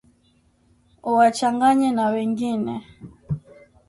uwachanganye na wengine